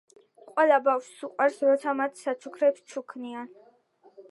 ყველა ბავშვს უყვარს როცა მათ საჩუქრებს ჩუქნიან